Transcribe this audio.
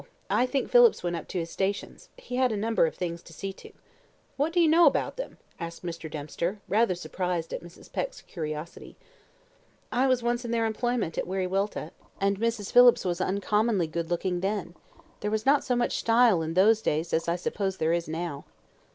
I think Phillips went up to his stations; he had a number of things to see to. What do you know about them?" asked Mr. Dempster, rather surprised at Mrs. Peck's curiosity. "I was once in their employment at Wiriwilta, and Mrs. Phillips was uncommonly good looking then. There was not so much style in those days as I suppose there is now."